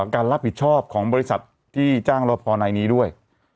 การรับผิดชอบของบริษัทที่จ้างรอพอนายนี้ด้วย